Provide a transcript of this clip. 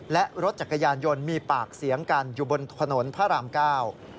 และรถจักรยานยนต์มีปากเสียงกันอยู่บนถนนพระรามเก้า